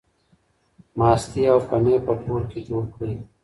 ماستې او پنیر په کور کې جوړ کړئ.